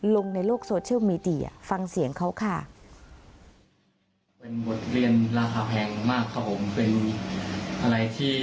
ลงในโลกโซเชียลมีเดียฟังเสียงเขาค่ะ